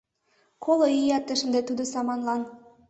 Коло ий эртыш ынде тудо саманлан.